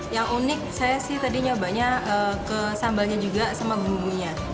yang unik saya sih tadi nyobanya ke sambalnya juga sama bumbunya